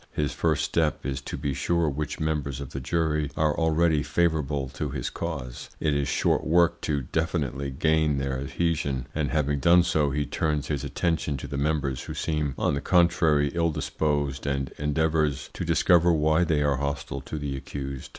His first step is to be sure which members of the jury are already favourable to his cause. It is short work to definitely gain their adhesion, and having done so he turns his attention to the members who seem, on the contrary, ill disposed, and endeavours to discover why they are hostile to the accused.